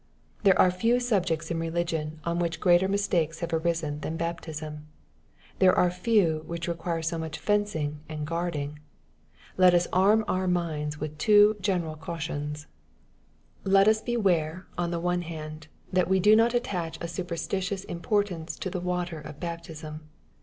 There are few subjects in religion on which greater mistakes have arisen than baptism. There are few which require so much fencing and guarding. Let us arm out minds with two general cautions. 22 XXPOSITOBT THOUGHTS. Let as beware on the one hand^ that tee do not attcuA a superstitiovs importance to the water of baptism.